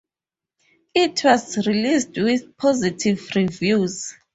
It was released with positive reviews.